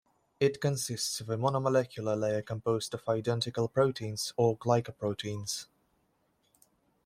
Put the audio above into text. It consists of a monomolecular layer composed of identical proteins or glycoproteins.